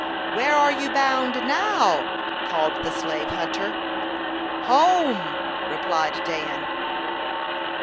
"Where you bound now?" called the slave hunter. "Home," replied Dan.